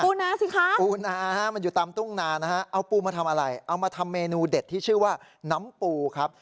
สิคะปูนาฮะมันอยู่ตามทุ่งนานะฮะเอาปูมาทำอะไรเอามาทำเมนูเด็ดที่ชื่อว่าน้ำปูครับ